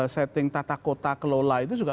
setting tata kota kelola itu juga